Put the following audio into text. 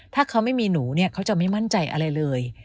ถ้าเขาไม่มีหนูเนี่ยเขาจะไม่มั่นใจอะไรเลย